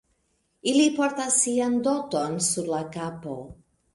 Ili portas sian doton sur la kapo.